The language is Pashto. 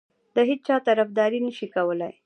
د هیچا طرفداري نه شي کولای.